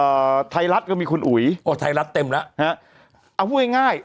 ไทยรัฐก็มีคุณอุ๋ยโอ้ไทยรัฐเต็มแล้วฮะเอาพูดง่ายง่าย